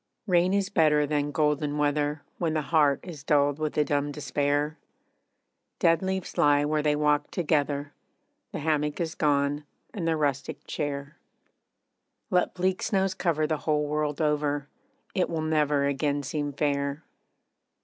Rain is better than golden weather, When the heart is dulled with a dumb despair. Dead leaves lie where they walked together, The hammock is gone, and the rustic chair. Let bleak snows cover the whole world over It will never again seem fair.